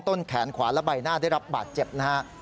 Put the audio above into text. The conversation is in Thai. ต้นแขนขวาและใบหน้าได้รับบาดเจ็บนะฮะ